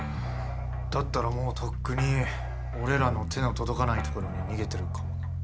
だったらもうとっくに俺らの手の届かないところに逃げてるかもな。